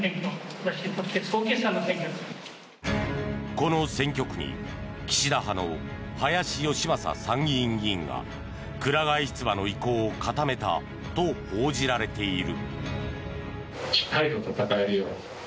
この選挙区に岸田派の林芳正参議院議員がくら替え出馬の意向を固めたと報じられている。